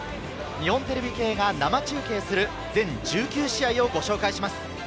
日本テレビ系が生中継する全１９試合をご紹介します。